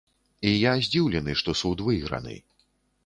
І я здзіўлены, што суд выйграны.